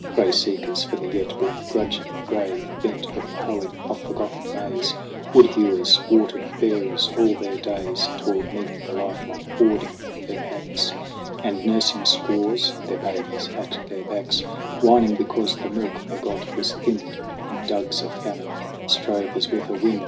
Gray seekers for the yet begrudging grave, Bent with the hoeing of forgotten maize, Wood hewers, water bearers all their days, Toiled 'neath the life long hoarding of their packs. And nursing squaws, their babies at their backs Whining because the milk they got was thinned In dugs of famine, strove as with a wind.